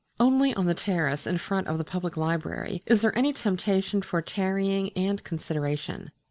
Only on the terrace in front of the Public Library is there any temptation for tarrying and consideration.